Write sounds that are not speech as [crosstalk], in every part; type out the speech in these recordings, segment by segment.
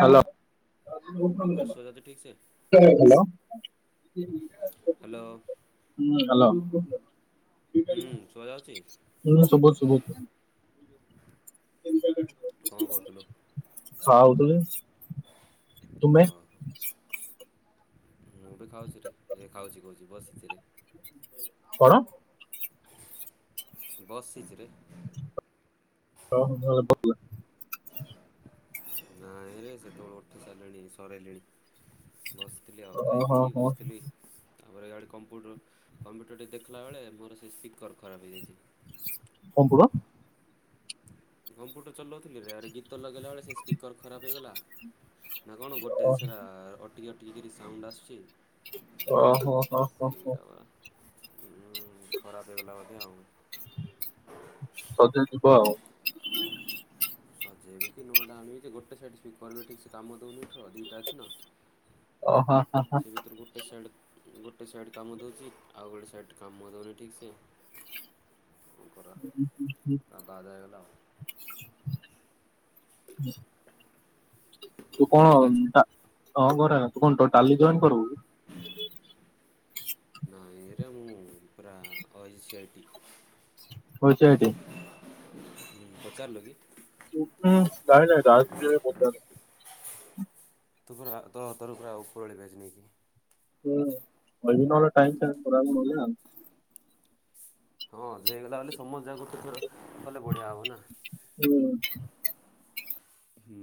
Hello. Voice [unintelligible] ଶୁଭାଯାଉଛି ଠିକ୍ ସେ [unintelligible] ହଲୋ? ହ୍ୟାଲୋ। ହୁଁ ହାଲୋ। ହୁଁ ଶୁଭା ଯାଉଛି? ହୁଁ ଶୁଭୁଛି ସୁଭୁଛି [unintelligible] କ କରୁଥିଲୁ? ଖାଉଥିଲୀ। ଓ ମୁଁ ବି ଖାଉଛି ରେ ଏ ଖାଉଛି କହୁଛି ବସିଚିରେ କଣ? ବସିଚି ରେ ହ ଭଲେ ଭଲ? [unintelligible] ନାଇରେ ସେତେବେଲୁ ଉଠି ସାରିଲେଣି ସରେଇଲିଣି। ବସିଥିଲି ଆଉ ଖାଇ ପିଇକି ବସିଥିଲି। ତାପରେ ଇଆଡ଼େ କମ୍ପୁଟର କମ୍ପ୍ୟୁଟର ଟେ ଦେଖିଲା ବେଳେ ମୋର ସେ ସ୍ପିକର୍ ଖରାପ ହେଇଯାଇଛି। କପୁଣ? କମ୍ପ୍ୟୁଟର ଚଲଉଥିଲି ରେ ଆ ରେ ଗୀତ ଲଗେଇଲାବେଳେ ସେ ସ୍ପିକର୍ ଖରାପ ହେଇଗଲା। ନା କଣ ଗୋଟେ ସେରା ଅଟିକି ଅଟିକି କିରି ସାଉଣ୍ଡ ଆସୁଛି। ହୋ ହୋ ହୋ ସେଇର ବା ଉଁ ଖରାପ ହେଇଗଲା ବୋଧେ ଆଉ। ସଜ ଯିବ ଆଉ। ସଜେଇବେ କି ନୂଆଟେ ଆଣିବି ଯେ ଗୋଟେ ସାଇଟି ସ୍ପିକର କରିବେ ଠିକ ସେ କାମ ଦେଉନି ଦିଇଟା ଅଛି ନା। ଓ ହଁ। ହଁ ସେ ଭିତରୁ ଗୋ ଗୋଟେ ସେଡ୍-ଗୋଟେ ସେଡ୍ କାମ ଦେଉଛି ଆଉ ଗୋଟେ ସେଇଟି କାମ ଦଉନି ଠିକ୍ ସେ। [unintelligible] ହେଗଲା ଆଉ। ତୁ କଣ ଘରେ ଏକା ଅଛୁ? ଡା ହଁ ଘରା ତୁ କଣ ଟୋ ଟାଲି ଜଏନ୍ କରିବୁ? ନାଇଁ ରେ ମୁଁ ପରା ଓସିଆଇଟି। ଓସିଆଇଟି? ହୁଁ ପଚାରିଲୁ କି? [unintelligible] ତୁ ପୁରା ତ ତରଫ୍ ରୁ ଆଉ ଉପରଳି ବ୍ୟାଜ୍ ନେଇକି। ହୁଁ [unintelligible] ଟାଇମ୍ [unintelligible] ହଁ ଯେ ହେଇଗଲା ବୋଲି ସମସ୍ତେ ଯାକେ ଗୋଟେ ଥର କଲେ ବଢ଼ିଆ ହେବ ନା। ହୁଁ। ହୁଁ।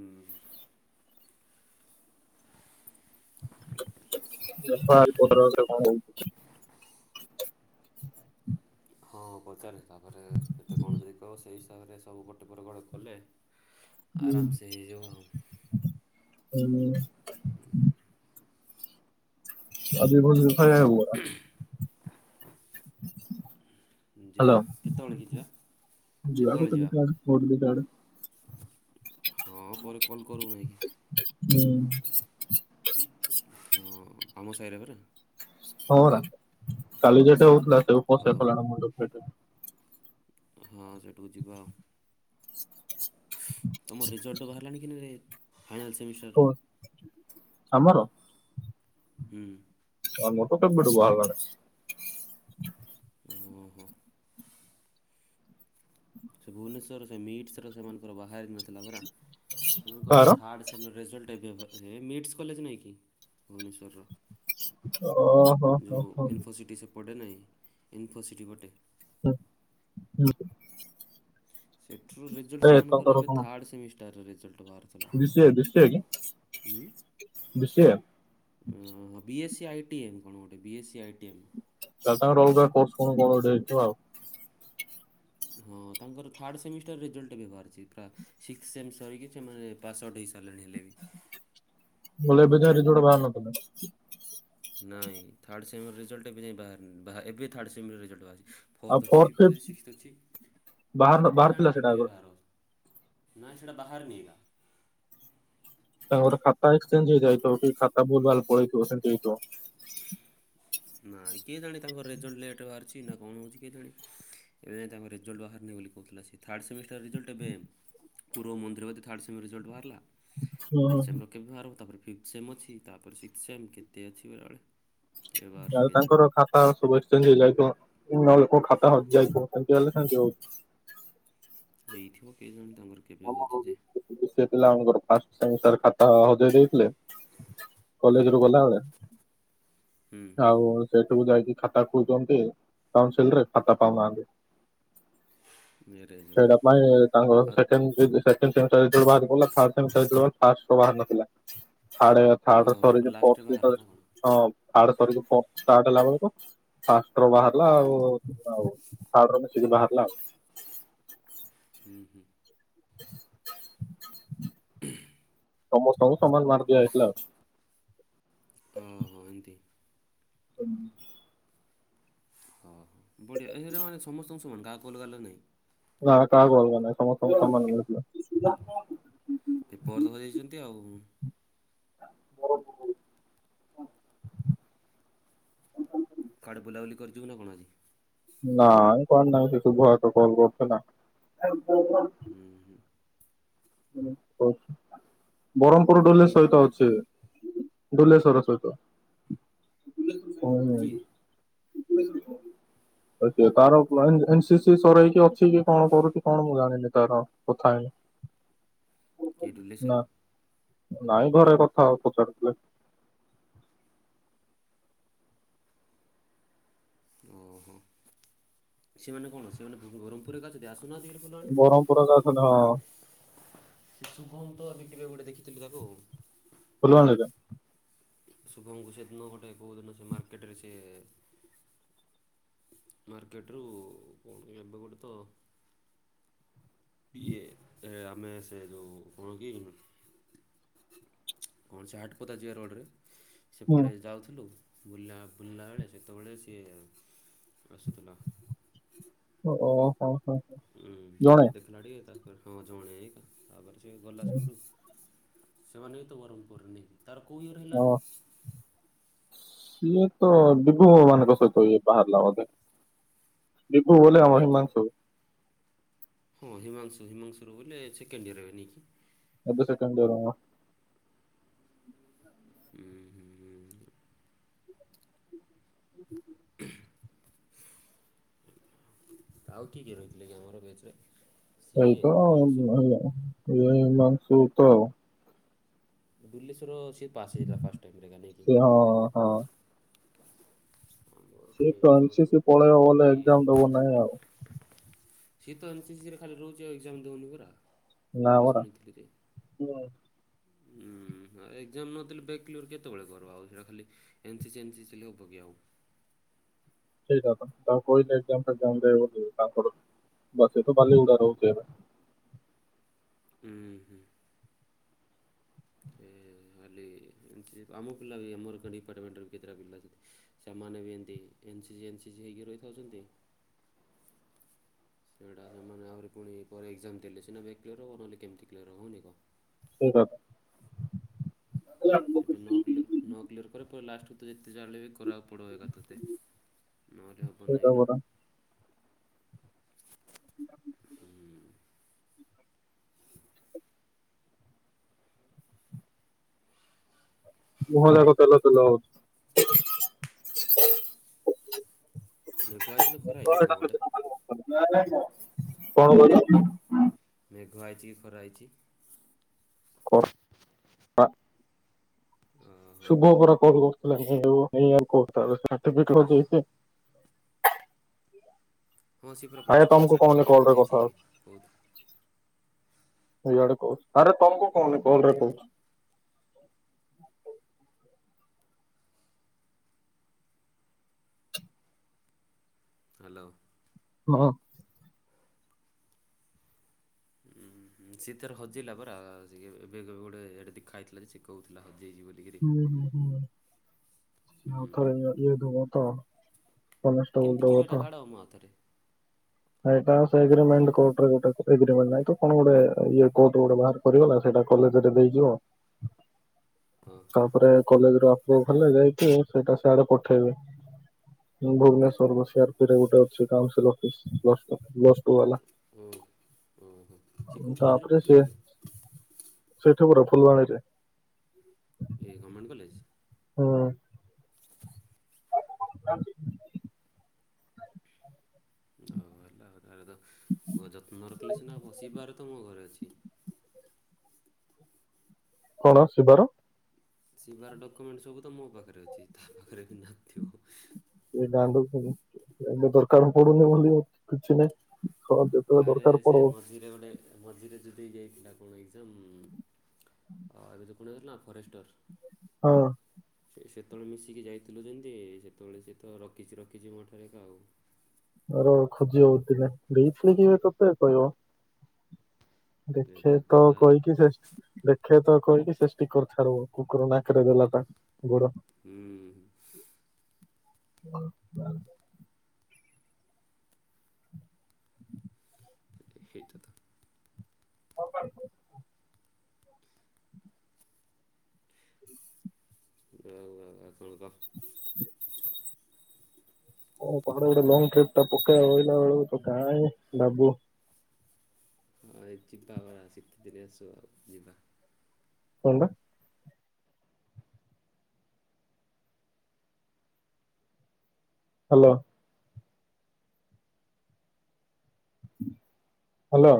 ନେପିଳ୍ ପନ୍ଦର [unintelligible] କଣ ହଉଛି। ହଁ ପଚାରେ ତାପରେ କେତେ କଣ ଯଦି କହିବ ସେଇ ହିସାବରେ ସେ ତାକୁ ଗୋଟେ ପରେ ଗୋଟେ କଲେ। ଆରାମ ହୁଁ ସେ ହେଇଯାଉ ଆଉ ହୁଁ [unintelligible] ଯିବା ହ୍ୟାଲୋ କେତେବେଳେ କି ଯିବା? ଯିବା ଗୋଟେ ଦିଟା [inaudible] ବେଳେ, ହଁ ପରେ କଲ୍ କରିବୁ ନାଇକି? ହୁଁ। ହଁ ଆମ ସାହିରେ ପରା। ହଁ ପରା କାଲି ଯେଟା ହଉଥିଲା ହଉ [unintelligible] ହଁ ସେଇଠିକୁ ଯିବା ଆଉ। ତମ ରେଜଲ୍ଟ ବାହାରିଲାଣି କିନିରେ ଫାଇନାଲ୍ ସେମିଷ୍ଟାରର? କଣ ଆମର? ହୁଁ। ଆମର ତ କେବେଠୁ ବାହାରିଲାଣି। ଓହୋ। ସେ ଭୁବନେଶ୍ୱର ସେ ମିଟ୍ସର ସେମାନଙ୍କର ବାହାରି ନଥିଲା ପରା। ସେମାନଙ୍କର କାହାର ଥାର୍ଡ଼ ସେମ ରେଜଲ୍ଟ ଏବେ ରେ ମିଟସ୍ କଲେଜ ନାଇଁ କି ଭୁବନେଶ୍ୱରର? ଓହୋ ହୋ ଯୋଉଁ ହୋ ଇନ୍ଫୋସିଟି ସେ ପଟେ ନାଇଁ ଇନ୍ଫୋସିଟି ପଟେ। ହୁଁ ହୁଁ। ସେଠୁରୁ ରେଜଲ୍ଟ ଏ ସେମାନଙ୍କର ତାଙ୍କର ଏବେ କଣ ଥାର୍ଡ ସେମିଷ୍ଟାରର ରେଜଲ୍ଟ ବାହାର ଥିଲା ବି ସି ଏ ବି ସି ଏ କି ହୁଁ-ହୁଁ ବି ସି ଏ ହଁ-ହଁ। B S C ID M କଣ ଗୋଟେ B S C ID M. ତା ସାଙ୍ଗର ଅଲଗା କୋର୍ସ କଣ କଣ ଗୋଟେ ହେଇଥିବା ଆଉ। ହଁ ତାଙ୍କର ଥାର୍ଡ଼ ସେମିଷ୍ଟର ରେଜଲ୍ଟ ବି ବାହାରିଛି ପ୍ରା ଶିକ୍ଷ୍ଥ ସେମ୍ ସରିକି ସେମାନେ ପାସ୍ ଆଉଟ୍ ହେଇସାରିଲେଣି ହେଲେ ବି। ଭଲ ଏବେ ଯା ରେଜ୍ଲଟ୍ ବାହାରୁ ନଥିଲା। ନାଇଁ ଥାର୍ଡ ସେମିର ରେଜଲ୍ଟ ଏବେ ଯାଏ ବାହାରିନି ଏବେ ଥାଡ ସେମିର ରେଜଲ୍ଟ ବାହାରି ଆଉ ଫୋର୍ଥ ଅଛି ଫିଫ୍ଥ୍ ଅଛି ଫିଫ୍ଥ ସିକ୍ସ୍ଥ ଅଛି ବାହାର କିଏ ବାହାରିଥିଲା ଜାଣିବେ ସେଇଟା କେବେ ଆଗ ବାହାର ନାଇଁ ସେଟା ବାହାରିନି‌ ଏକା। ତାଙ୍କର ଖାତା ଏକ୍ସଚେଞ୍ଜ ହେଇଯାଇଥିବ କି ଖାତା ଭୁଲ ଭାଲ ପଳେଇଥିବ ସେମତି ହେଇଥିବ। ନାଇଁ କିଏ ଜାଣି ତାଙ୍କର ରେଜଲଟ ଲେଟ୍ ବାହାରିଛି ନା କଣ ହଉଛି କେଜାଣି। ଏବେଯାଏ ତାଙ୍କ ରେଜଲ୍ଟ ବାହାରିନି ବୋଲି କହୁଥିଲା ସେ ଥାର୍ଡ ସେମିଷ୍ଟାର ରେଜଲ୍ଟ ଏବେ ପୂରବ ମନ୍ଦିରକତି ଥାର୍ଡ ସେମି ରେଜଲ୍ଟ ବାହାରିଲା? ଫୋର୍ ସେମର କେବେ ବାହାରିବ ତାପରେ ଫିଥ ସେମ୍ ଅଛି ତାପରେ ସିକ୍ସଥ ସେମ୍ କେତେ ଅଛି ବେଳେବେଳେ। କେବେ ବାହାରୁଛି ଯାଉ କେଜାଣି ତାଙ୍କର ଖା ସବୁ ଏକ୍ସଚେଞ୍ଜ ହେଇଯାଇଥିବ ନ ହେଲେ କୋଉ ଖାତା ହଜି ଯାଇଥିବ। ଏମତି ହେଲେ କେମତି ହବ। ହେଇଥିବ କେହି ଜଣେ ତାଙ୍କର କେବେ ଆମର ହେଉଛି ଯେ ଯୋଉ ଉଁ ଗୋଟେ ପିଲାଙ୍କର ଫାଷ୍ଟ ସେମିଷ୍ଟାର ଖାତା ହଜେଇ ଦେଇଥିଲେ। ହୁଁ କଲେଜ ରୁ ଗଲାବେଳେ ହୁଁ ଆଉ। ସେଠୁ ଯାଇକି ଖାତା ଖୋଜଚନ୍ତି କାଉନସିଲ ରେ ଖାତା ପାଉନାହାନ୍ତି। ମ୍ୟାରେଜ୍ ସେଇଟା ପାଇଁ ତାଙ୍କ ଆଉ ସେକେଣ୍ଡ ସେମିଷ୍ଟାର ଯେତେବେଳେ ବାହାରି ପଡିଲା ଥାର୍ଡ଼ ସେମିଷ୍ଟାର ଯେତେବେଳେ ଫାର୍ଷ୍ଟ ଟା ବାହାରି ନଥିଲା। ଥାର୍ଡ଼ ଏ ଥାର୍ଡ଼ ର ଓହୋ ତାପରେ ସରିନି ଲାଷ୍ଟରେ ପର୍ସ ବାହାରିଲା ଯେତେବେଳେ ନା କ'ଣ ଛ ଥାର୍ଡ଼ ସରିକି ଫୋର୍ଥ ଷ୍ଟାର୍ଟ ହେଲାବେଳକୁ ଫାର୍ଷ୍ଟ ର ବାହାରିଲା ଆଉ। ଯାହହଉ ଥାର୍ଡ଼ର ମିଶିକି ବାହାରିଲା ଆଉ। ହୁଁ ହୁଁ। ସମସ୍ତଙ୍କୁ ସମାନ ମାର୍କ ଦିଆଯାଇଥିଲା ଆଉ। ଓ ହୋ ଏନ୍ତି। ହୁଁ। ହଁ ହଁ ବଢ଼ିଆ ହେରା ମାନେ ସମସ୍ତଙ୍କୁ ସମାନ କାହାକୁ ଅଲଗା ଅଲଗା ନାହିଁ। ନା କାହାକୁ ଅଲଗା ନାହିଁ ସମସ୍ତଙ୍କୁ ସମାନ ମିଳିଥିଲା। ଦୀପକର ଦେଇଛନ୍ତି ଆଉ। [inaudible] କୁଆଡେ ବୁଲାବୁଲି କରିିଯିବୁ ନା କଣ ଆଜି। ନାଇଁ କୁଆଡେ ନାଇଁ ସେଇ ତ ଘରେ ତ କଲ୍ କରିଥିଲା। ହୁଁ ହୁଁ। ବରମ୍ ପୁର ଡଲେ ହୁଁ ସହିତ ଅଛି। ଡୁଲେଶର ସହିତ। କିଏ [inaudible] ଆ ତାର ପ୍ଲାଇନ ଏନ ସି ସି ସରଇକି ଅଛି କି କଣ କରୁଛି କଣ ମୁଁ ଜାଣିନି ତାର। କଥା ହେଇନି। କେ ନା ଡୁଲେଶୁର। ନାଇଁ ଘରେ କଥା ହଉ ପଚାରୁଥିଲେ। ଓହୋ ସେମାନେ କଣ ସେମାନେ ବ ବରମ୍ ପୁର ରେ ଏକା ଅଛନ୍ତି ଆସୁନାହାନ୍ତି ହାରି ଫୁଲଆଣି। ତୁ ଧ। ସେ ଶୁଭମ ତ ଏବେ କିରେ ଗୋଟେ ଦେଖିଥିଲୁ ତାକୁ ଆଉ। ଫୁଲବାଣିରେ। ଶୁଭମ୍ କୁ ସେଦିନ ଗୋଟେ କୋଉ ଦିନ ସେ ମାର୍କେଟେ ରେ ସେ ମାର୍କେଟରୁ ପୁଣି ଏବେ ଗୋଟେ ତ ଇଏ ଏ ଆମେ ସେ ଯୋଉ କଣ କି? କଣ ସେ ହାଟପତା ଯିଆ ରୋଡ଼ରେ ହୁଁ ସେପଟେ ଯାଉଥିଲୁ। ବୁଲା ବୁଲା ବେଳେ ସେତେବେଳେ ସିଏ ଆସୁଥିଲା। ଓ ହୋ ହୋ। ହୁଁ ଜଣେ ତାପରେ ଦେଖିଲା ଟିକେ ତାପରେ ହଁ ଜଣିଆ ତାପରେ ସିଏ ଗଲା ସେପଟୁ। ସେମାନେ ବି ତ ବରହ୍ମମପୁର ର ନି ତାର କୋଉ ଇଅର ହ ହେଲାରେ। ସିଏ ତ ବିଭୁ ମାନଙ୍କ ସହିତ ଇଏ ବାହାରିଲା ବୋଧେ। ବିଭୁ ବୋଲେ ଆମ ବିଭୁ ହିମାଂସୁ। ହଁ ହିମାଂଶୁ ହିମାଂଶୁ ର ବୋଲେ ସେକଣ୍ଡ ଇଅର ଏବେ ନେଇକି। ଏବେ ସେକେଣ୍ଡ ଇଅର। ହୁଁ ହୁଁଁ ହୁଁ। ହୁଁ। [inaudible] ଆଉ କିଏ କିଏ ରହିଥିଲେ କି ଆମର ବେଚେରେ। ଏଇତ ଏଇ ମାଂସ ଆଉ ତ। ଦିଲ୍ଲୀ ଶୁର ସେ ପାସ ହେଇଯାଥିଲା ଫାଷ୍ଟ ହେଇକିରେ ନେଇକି। ସେ ହଁ ହଁ ଆଉ ସିଏ କିଏ ତ ଏନ ସି ହିମାଂଶୁ ସି ପଳେଇବ ବୋଲେ ଆହୁରି ଏକ୍ଜାମ ଦବ ନାହିଁ ସିଏ ତ ଏନ୍ ସି ସି ଖାଲି ରହୁଛି ଆଉ ଏକ୍ଜାମ ଦଉନି ପରା। ବୋଲି ନାପରା। ଶୁଣିଥିଲି ଯେ ଉଁ ଆଉ ଏକ୍ଜାମ ନଦେଲେ ବ୍ୟାକ୍ କ୍ଲିୟର କେତେବେଳେ କରିବ ଆଉ ସେଇ ଖାଲି ଏନ୍ସିଚ ଏନ୍ସିଚ ହେଲେ ହବ କି ଆଉ। ସେଇଟା ତ ତାକୁ କହିଲେ ଏକ୍ଜାମ ଫେକ୍ଜାମ ଦେ ବୋଲି ବାଲିଗୁଡା ରହୁଛି ଏବେ। ହୁଁ ହୁଁ। ହେ ଖାଲି ଏନ୍ ସି ସି ଆମ ପିଲା ବି ଆମର କ ଡିପାର୍ଟମେଣ୍ଟରେ ବି କେତେଟା ପିଲା ଅଛନ୍ତି। ସେମାନେ ବି ଏମିତି N C C N C ହେଇକି ରହିଥାଉଛନ୍ତି। ସେଇଟା ସେମାନେ ଆହୁରି ପୁଣି ପରେ ଏକ୍ଜାମ ଦେଲେ ସିନା ବ୍ୟାକ୍ କ୍ଲିୟର ହେବ ନହଲେ କେମିତି କ୍ଲିୟର ହେଉନି କଣ। [unintelligible] ଏବେ ନ। [unintelligible] ନ କ୍ଲିୟର୍ ପରେ ପରେ ଲାଷ୍ଟକୁ ତ ଯେତେ ଜାହାହେଲେ ବି କରିବାକୁ ପଡିବ ଏକା ତତେ। ନହେଲେ ହ [unintelligible] ହୁଁ। [unintelligible] ମେଘ ଆଇଚି ନା ଖରା ତ ଆଇଚି ରେ ଏଇଟା ତମ ଆଡେ? ସେଦିନ ଖାଲି କଣ କହିଲ? ମେଘ ଆଇଚି କି ଖରା ଆଇଚି? [unintelligible] ଓହୋ ଶୁଭ ପରା କଲ୍ କରିଥିଲା [unintelligible] ହଁ ସେ ପୁରା ଆରେ ପ୍ଲସ ଟୁ ର ତମକୁ କହୁନି ସାର୍ଟିଫିକେଟ୍ କଲ ରେ କଥା ହଜିଯାଇଚି। କହୁ [unintelligible] ଆରେ ତମକୁ କହୁନି କଲ୍ ରେ କହୁଚି। ହାଲୋ। [unintelligible] ସିଏ ତାର ହଜେଇଲା ପରା। ଏବେ କେବେ ଗୋଟେ ୟାଡେ ଦେଖା ହେଇଥିଲା ସେ କହୁଥିଲା ହଜିଯାଇଚି ବୋଲି। [unintelligible] [unintelligible] ହୁଁ ଏଗ୍ରିମେଣ୍ଟ ନାଇଁ ତ କେମିତି କିରି ହେଟା କାଢ଼ କଣ ମୋ ହାତରେ ଗୋଟେ ଏ ସେଇଟା କୋଟ ଗୋଟେ ବାହାରକରିଗଲା, ସେଇଟା କଲେଜରେ ଦେଇଯିବ। [inaudible] ଅଁ। ତାପରେ କଲେଜ ରେ ଆପ୍ରୋଭ ହେଲେ ଯାଇକି ସେଇଟା ସିଆଡେ ପଠେଇବେ। ଭୁବନେଶ୍ୱର [unintelligible] ଗୋଟେ ଅଛି କାଉଁସିଲ୍ ଅଫିସ୍। [unintelligible] ଓ ଓହୋ। ସେ କୋଉ କଲେଜ ରେ ତାପରେ ପଢ଼ୁଥିଲା କି? [unintelligible] ଫୁଲବାଣୀରେ। ଇଏ ଗମେଣ୍ଟ କଲେଜ? ହିଁ। [inaudible] ଆଉ ହେଲାଉ ତାରେ ତ ଯତ୍ନ ରଖିଲେ ସିନା ହବ। ଶିବା ର ତ ମୋ ଘରେ ଅଛି। କଣ ଶିବାର ଶିବାର ଡକ୍ୟୁମେଣ୍ଟ ସବୁ ତ ମୋ ପାଖରେ ଅଛି। ତା ପାଖରେ ବି ନଥିବ। ଏ [unintelligible] ଦରକାର ପଡୁନି ବୋଲି କିଛି ନାହିଁ। ହଁ ଯେତେବେଳେ ଆରେ ଦରକାର ପଡିବ [unintelligible] ଗୋଟେ ମଝିରେ ଯଉ ଦେଇ ଯାଇଥିଲା କଣ ଏଜ୍ଜାମ୍ ଏବେ ତ କଣ ହେଇଥିଲା ଫରେଷ୍ଟର। ହଁ। ସେତେବେଳେ ମିଶିକି ଯାଇଥିଲୁ ଯେମିତି ସେତେବେଳେ ସିଏ ତ ରଖିଚି ରଖିଚି ମୋ ଠାରେ ଏକା ଆଉ। [unintelligible] ଦେଇଥିଲେ କି ଏବେ ତୋତେ କହିବ। ଦେଖେ ଏତେ ତ କଲା କହିକି ସେ ଦେଖିଆ ତ କହିକି ସେ ଷ୍ଟିକର୍ ଛାଡୁ, କୁକୁର ନାକରେ ଦେଲା ତା ଗୋଡ। ହୁଁ। [inaudible] ହେଇଟା ତ। [inaudible] [unintelligible] [unintelligible] ହ କୁଆଡେ ଗୋଟେ ଲଙ୍ଗ୍ ଟ୍ରିପ୍ ଟା ପକେଇବା କହିଲା ବେଳକୁ ତ କାଇଁ ବାବୁ। ହଁ ଏ ଯିବା ବା ଶୀତ ଦିନ ଆସୁ ଯିବା। କଣ ଟା? ହ୍ୟାଲୋ। ହ୍ୟାଲୋ।